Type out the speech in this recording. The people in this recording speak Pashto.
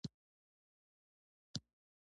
يواځې ارته سپږمې يې د سوځيدلې ربړ له بويه ډکې شوې.